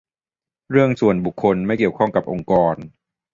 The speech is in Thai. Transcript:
"เรื่องส่วนบุคคล ไม่เกี่ยวข้องกับองค์กร"